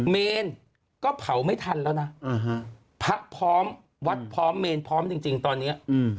เมนก็เผาไม่ทันแล้วนะพระพร้อมวัดพร้อมเมนพร้อมจริงตอนนี้